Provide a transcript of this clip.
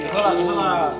tapi itu lah